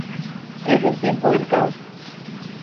Es el tiempo del Caos.